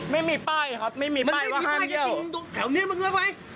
ไม่มีป้ายครับไม่มีป้ายว่าห้ามเยี่ยว